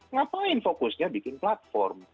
ngapain fokusnya bikin platform